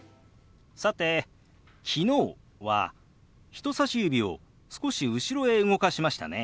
さて「昨日」は人さし指を少し後ろへ動かしましたね。